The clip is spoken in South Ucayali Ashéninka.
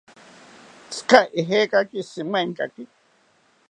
¿Tzika ijekaki shimaentaki?